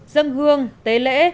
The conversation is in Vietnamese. dân hương tế lễ